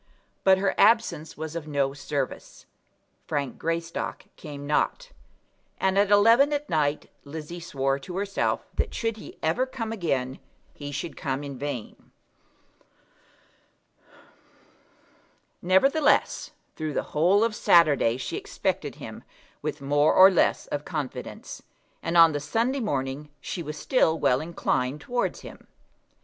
But her absence was of no service. Frank Greystock came not; and at eleven at night Lizzie swore to herself that should he ever come again, he should come in vain. Nevertheless, through the whole of Saturday she expected him with more or less of confidence, and on the Sunday morning she was still well inclined towards him.